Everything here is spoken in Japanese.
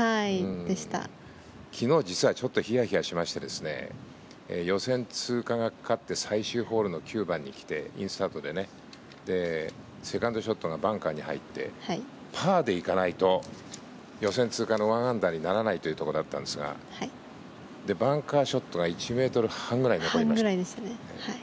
昨日実はちょっとヒヤヒヤしまして予選通過がかかって最終ホールの９番に来てインスタートでセカンドショットのバンカーに入ってパーでいかないと予選通過の１アンダーにならないというところだったんですがバンカーショットが１ｍ半ぐらい残りましたね。